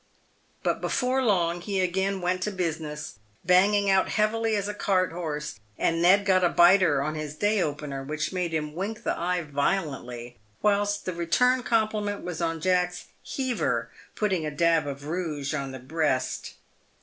But before long he again went to business, banging out heavily as a cart horse, and Ned got a biter on his "day opener," which made him wink the eye violently, whilst the return compliment was on Jack's " heaver," putting a dab of rouge on the breast.